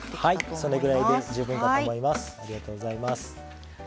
そのぐらいで十分だと思います。